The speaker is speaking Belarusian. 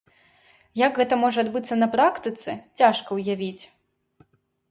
Як гэта можа адбыцца на практыцы, цяжка ўявіць.